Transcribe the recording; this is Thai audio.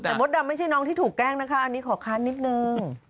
แต่มดดำไม่ใช่น้องที่ถูกแกล้งนะคะอันนี้ขอค้านนิดนึง